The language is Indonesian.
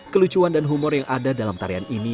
kelucuan dan humor yang ada dalam tarian ini